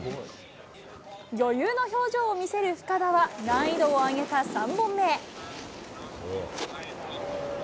余裕の表情を見せる深田は、難易度を上げた３本目。